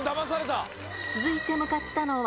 続いて向かったのは。